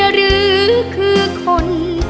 หรือคือคน